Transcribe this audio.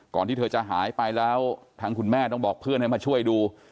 ที่เธอจะหายไปแล้วทางคุณแม่ต้องบอกเพื่อนให้มาช่วยดู